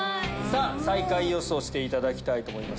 さぁ最下位予想していただきたいと思います。